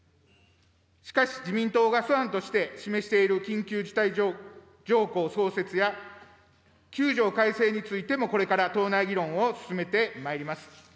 しかし、自民党が素案として示している緊急事態条項創設や９条改正についてもこれから党内議論を進めてまいります。